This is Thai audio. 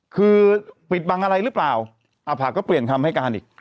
คือปิดบังอะไรหรือเปล่าอาผะก็เปลี่ยนคำให้การอีก